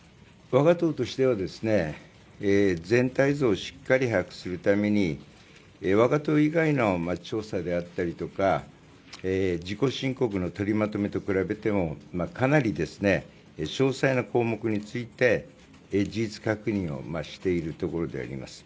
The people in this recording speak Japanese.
我が党としては全体図をしっかり把握するために我が党以外の調査であったりとか自己申告の取りまとめと比べてもかなり詳細な項目について事実確認をしているところであります。